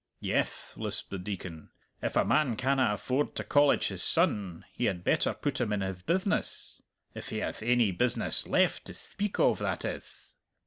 "Yeth," lisped the Deacon; "if a man canna afford to College his son, he had better put him in hith business if he hath ainy business left to thpeak o', that ith!"